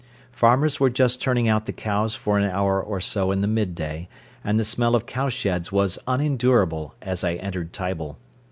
Farmers were just turning out the cows for an hour or so in the midday, and the smell of cow sheds was unendurable as I entered Tible.